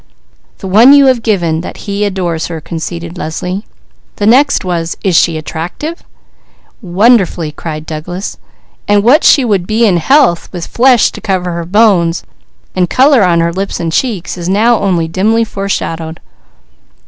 "The one you have given that he adores her," conceded Leslie. "The next was, 'Is she attractive?'" "Wonderfully!" cried Douglas. "And what she would be in health with flesh to cover her bones and colour on her lips and cheeks is now only dimly foreshadowed."